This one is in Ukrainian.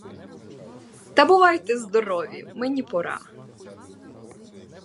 Та бувайте здорові, мені пора.